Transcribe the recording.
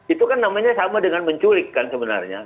itu kan namanya sama dengan menculik kan sebenarnya